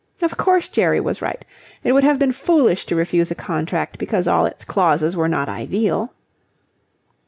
Of course Jerry was right. It would have been foolish to refuse a contract because all its clauses were not ideal.